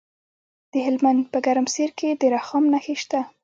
د هلمند په ګرمسیر کې د رخام نښې شته.